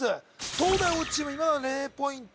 東大王チームいまだ０ポイント